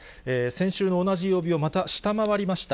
先週の同じ曜日をまた下回りました。